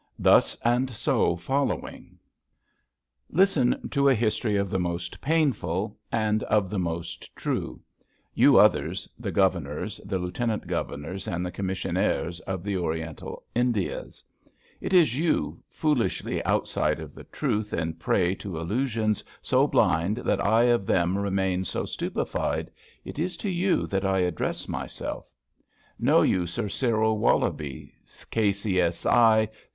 Thus and so following: Listen to a history of the most painful — and of the most true. You others, the Governors, the Lieutenant Governors, and the Commissionaires of the Oriental Indias. It is you, foolishly outside of the truth in prey to illusions so blind that I of them remain so stupefied — ^it is to you that 1 address myself I Know you Sir Cyril Wollobie, K.C.S.I.